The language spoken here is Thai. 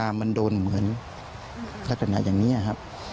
มันโดนเหมือนลักษณะอย่างนี้ครับ